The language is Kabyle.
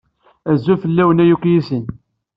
Azul fell-awen a yukyisen!